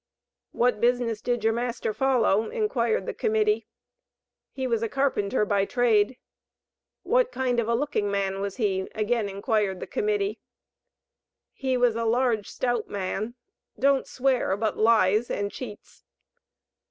"What business did your master follow?" inquired the Committee. "He was a carpenter by trade." "What kind of a looking man was he?" again inquired the Committee. "He was a large, stout man, don't swear, but lies and cheats."